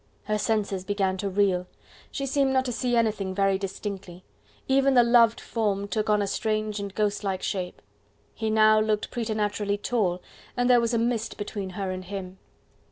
Her senses began to reel; she seemed not to see anything very distinctly: even the loved form took on a strange and ghostlike shape. He now looked preternaturally tall, and there was a mist between her and him.